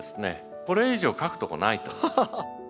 これ以上描くとこないと。